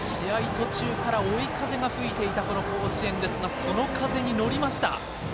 途中から追い風が吹いていたこの甲子園ですがその風に乗りました。